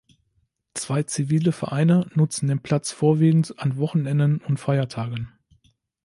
Zwei zivile Vereine nutzen den Platz vorwiegend an Wochenenden und Feiertagen.